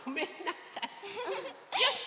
よし！